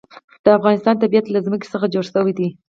د افغانستان طبیعت له ځمکه څخه جوړ شوی دی.